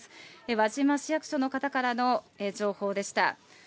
輪島市役所の方からの情報でした。